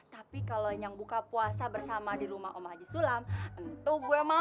tapi kalau yang buka puasa bersama di rumah om wahji sulam itu gue mau